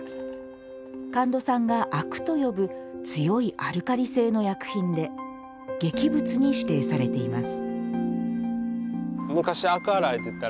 神門さんが灰汁と呼ぶ強いアルカリ性の薬品で劇物に指定されています